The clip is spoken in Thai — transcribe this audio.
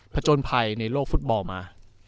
จนภัยในโลกฟุตบอลมา